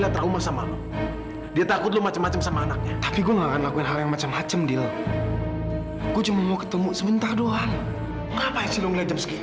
terus siapa lagi dong